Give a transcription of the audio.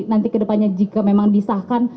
nanti kedepannya jika memang disahkan